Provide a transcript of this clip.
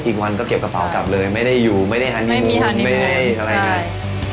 อีกวันก็เก็บกระเป๋ากลับเลยไม่ได้อยู่ไม่ได้ฮันนิมูลไม่ได้อะไรเลย